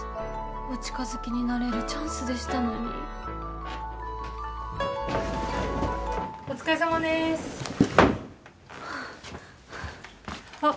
お近づきになれるチャンスでしたのにお疲れさまですあっ